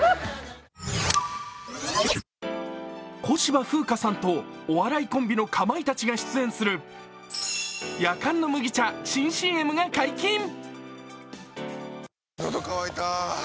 小芝風花さんとお笑いコンビのかまいたちが出演するやかんの麦茶、新ＣＭが解禁。